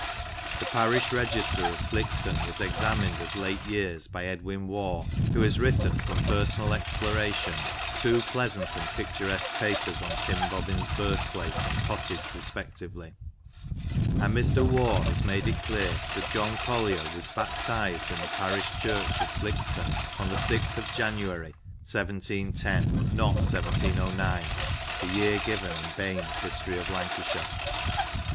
The parish register of Flixton was examined of late years by Edwin Waugh — who has written from personal exploration two pleasant and picturesque papers on Tim Bobbin's birthplace and cottage respectively — and Mr Waugh has made it clear that John Collier was baptized in the parish church of Flixton on the 6th January 17 10, not 1709, the year given in Baines's " History of Lancashire."